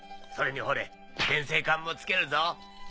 それにほれ伝声管も付けるぞ。